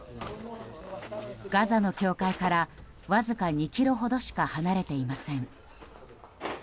ガザの境界からわずか２ｋｍほどしか離れていません。